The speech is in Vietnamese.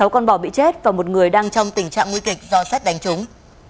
sáu con bò bị chết và một người đang trong tình trạng nguy kịch do xét đánh trúng